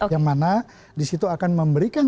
yang mana disitu akan memberikan